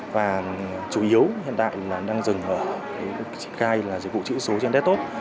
và chủ yếu hiện tại đang dừng ở dịch vụ chữ ký số trên desktop